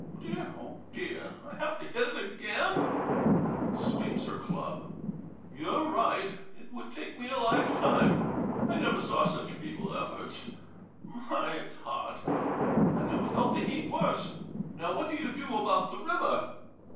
Dear, oh, dear ! I have to hit it again ! [Swings her club.] [Ruefully.] You 're right — it would take me a lifetime — I never saw such feeble ef forts. My !— it 's hot — I never felt the heat worse. Now — what do you do about the river?